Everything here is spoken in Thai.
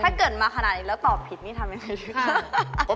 ถ้าเกิดมาขนาดนี้แล้วตอบผิดนี่ทำยังไงเลยค่ะ